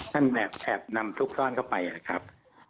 ท่านแอบแอบนำซุกซ่อนเข้าไปอะครับ